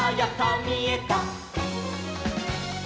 みえた！」